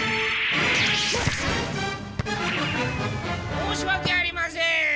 申しわけありません。